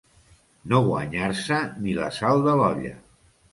No guanyar-se ni la sal de l'olla.